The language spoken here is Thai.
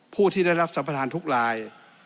ผู้ที่ได้รับสัมภาษณ์ทุกลาย